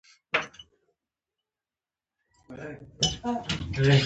نرمه ژبه کاروئ